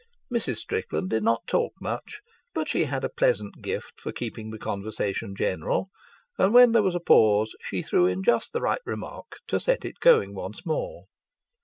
Mrs. Strickland did not talk much, but she had a pleasant gift for keeping the conversation general; and when there was a pause she threw in just the right remark to set it going once more.